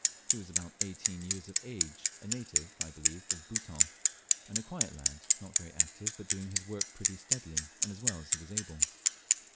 He was about eighteen years of age, a native, I believe, of Bouton, and a quiet lad, not very active, but doing his work pretty steadily, and as well as he was able.